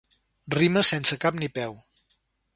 Rimes sense cap ni peu.